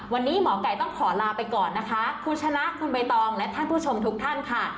วันนี้หมอไก่ต้องขอลาไปก่อนนะคะคุณชนะคุณใบตองและท่านผู้ชมทุกท่านค่ะ